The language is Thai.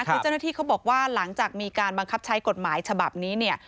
คือเจ้าหน้าที่เขาบอกว่าหลังจากมีการบังคับใช้กฎหมายฉบับนี้เนี่ย